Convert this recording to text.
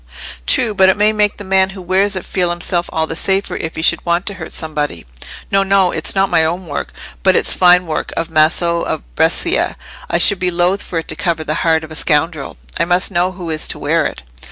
"True: but it may make the man who wears it feel himself all the safer if he should want to hurt somebody. No, no; it's not my own work; but it's fine work of Maso of Brescia; I should be loth for it to cover the heart of a scoundrel. I must know who is to wear it."